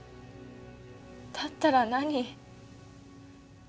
だったら何？